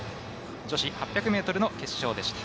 女子８００ｍの決勝でした。